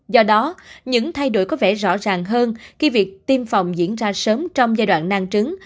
do đó những thay đổi có vẻ rõ ràng hơn khi việc tiêm phòng diễn ra sớm trong giai đoạn nang trứng